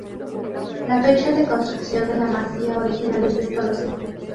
La fecha de construcción de la masía original es desconocida.